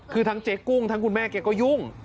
คือทั้งเจ๊กุ้งทั้งคุณแม่แกก็ยุ่ง